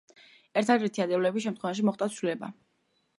ერთადერთი ათეულების შემთხვევაში მოხდა ცვლილება.